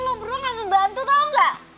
lo berdua gak ngebantu tau gak